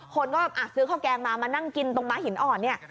คนก็ซื้อข้าวแกงมามานั่งกินตรงม้าหินอ่อนเนี่ย